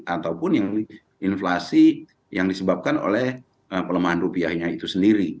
ataupun yang inflasi yang disebabkan oleh pelemahan rupiahnya itu sendiri